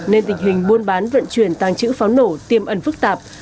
nên tình hình buôn bán vận chuyển tàng trữ pháo nổ tiêm ẩn phức tạp